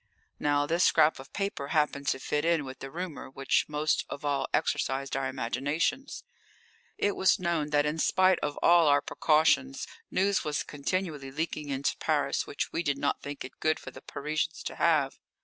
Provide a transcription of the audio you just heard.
Now, this scrap of paper happened to fit in with the rumour which most of all exercised our imaginations. It was known that in spite of all our precautions news was continually leaking into Paris which we did not think it good for the Parisians to have.